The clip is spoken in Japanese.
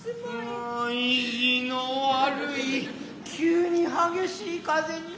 ああ意地の悪い急に激しい風に成つたよ。